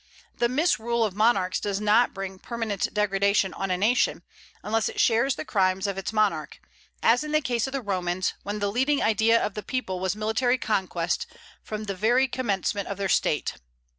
The misrule of monarchs does not bring permanent degradation on a nation, unless it shares the crimes of its monarch, as in the case of the Romans, when the leading idea of the people was military conquest, from the very commencement of their state.